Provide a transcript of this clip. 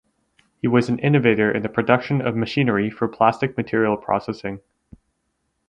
He was an innovator in the production of machinery for plastic material processing.